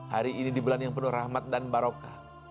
hari ini di bulan yang penuh rahmat dan barokah